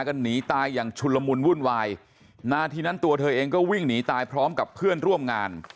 หนีตายอย่างชุนละมุนวุ่นวายนาทีนั้นตัวเธอเองก็วิ่งหนีตายพร้อมกับเพื่อนร่วมงาน